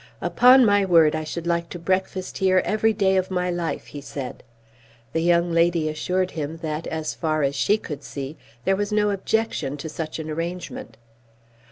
"Upon my word, I should like to breakfast here every day of my life," he said. The young lady assured him that, as far as she could see, there was no objection to such an arrangement.